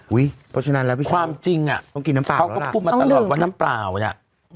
อุ๊ยเพราะฉะนั้นแล้วพี่ชายต้องกินน้ำเปล่าแล้วล่ะต้องดื่มความจริงอะเขาก็พูดมาตลอดว่าน้ำเปล่าเนี่ย